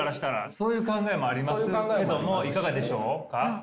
そういう考えもありますけどもいかがでしょうか？